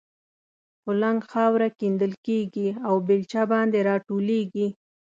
کولنګ خاوره کیندل کېږي او بېلچه باندې را ټولېږي.